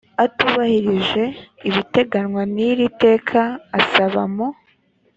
atubahirije ibiteganywa n iri teka asaba mu